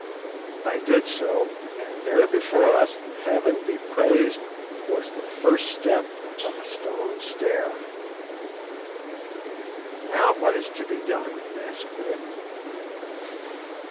I did so, and there before us, Heaven be praised! was the first step of a stone stair. "Now what is to be done?" asked Good.